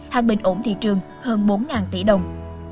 hàng bình ổn thị trường hơn bốn tỷ đồng